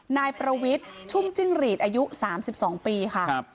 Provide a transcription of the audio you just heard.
นายประวิทย์ชุ่มจิ้งหรีดอายุ๓๒ปีค่ะ